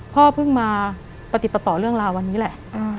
พ่อเพิ่งมาปฏิปต่อเรื่องราววันนี้แหละ